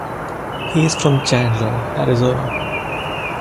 He is from Chandler, Arizona.